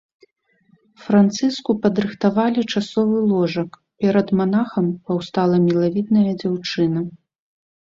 Францыску падрыхтавалі часовы ложак, перад манахам паўстала мілавідная дзяўчына.